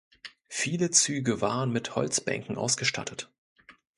Viele Züge waren mit Holzbänken ausgestattet.